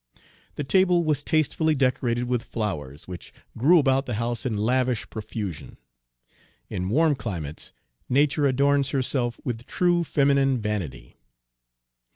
The table was tastefully decorated with flowers, which grew about the house in lavish profusion. In warm climates nature adorns herself with true feminine vanity.